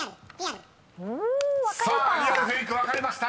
［リアルフェイク分かれました。